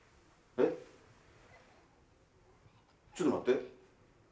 えちょっと待って。